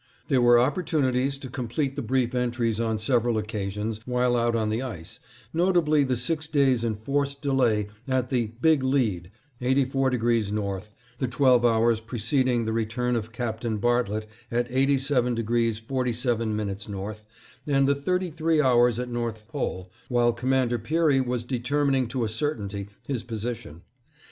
There were opportunities to complete the brief entries on several occasions while out on the ice, notably the six days' enforced delay at the "Big Lead," 84° north, the twelve hours preceding the return of Captain Bartlett at 87° 47' north, and the thirty three hours at North Pole, while Commander Peary was determining to a certainty his position.